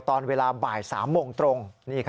ตอนเวลาบ่าย๓โมงตรง